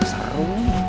wah tuh seru